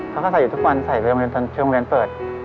เขาก็ใส่อยู่ทุกวันเขาก็ใส่ไปโรงเรียนเติมเชือกโรงเรียนตั้งเปิด